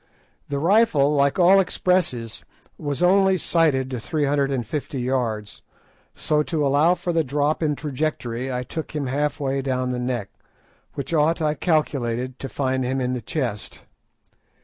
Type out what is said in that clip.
The rifle, like all expresses, was only sighted to three hundred and fifty yards, so to allow for the drop in trajectory I took him half way down the neck, which ought, I calculated, to find him in the chest.